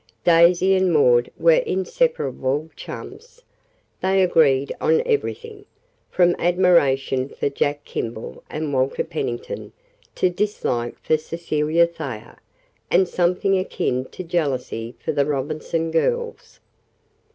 Daisy and Maud were inseparable chums. They agreed on everything from admiration for Jack Kimball and Walter Pennington, to dislike for Cecilia Thayer, and something akin to jealousy for the Robinson girls.